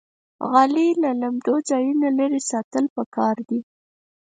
غالۍ له لمدو ځایونو لرې ساتل پکار دي.